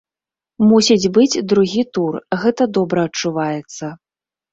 Мусіць быць другі тур, гэта добра адчуваецца.